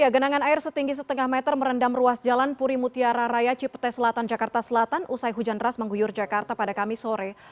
genangan air setinggi setengah meter merendam ruas jalan puri mutiara raya cipete selatan jakarta selatan usai hujan ras mengguyur jakarta pada kamis sore